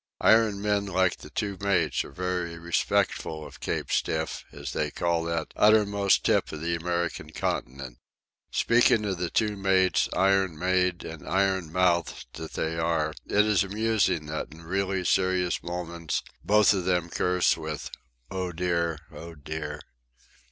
Iron men like the two mates are very respectful of "Cape Stiff," as they call that uttermost tip of the American continent. Speaking of the two mates, iron made and iron mouthed that they are, it is amusing that in really serious moments both of them curse with "Oh dear, oh dear."